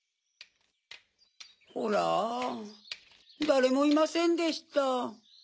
だれもいませんでした。